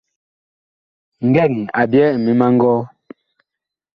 Ngɛn, a ɓyɛɛ ŋmim a ngɔɔ.